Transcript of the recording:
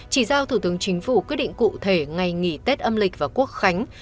chỉ giao thủ tướng chính phủ quyết định cụ thể ngày nghỉ tết âm lịch và quốc khánh